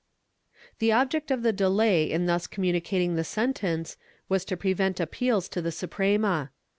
^ The object of the delay in thus communicating the sentence was to prevent appeals to the Suprema.